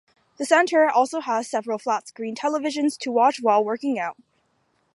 The center also has several flat screen televisions to watch while working out.